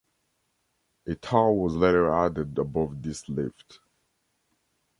A tow was later added above this lift.